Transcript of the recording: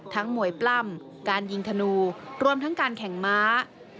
มวยปล้ำการยิงธนูรวมทั้งการแข่งม้า